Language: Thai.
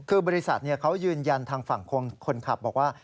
คือบริษัทเขายืนยันทางฝั่งคนขับบอกว่า